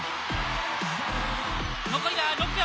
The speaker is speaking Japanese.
残りが６秒。